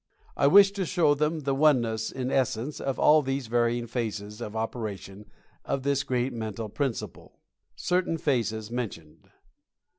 I wish to show them the oneness in essence of all these varying phases of operation of this great mental principle. CERTAIN PHASES MENTIONED.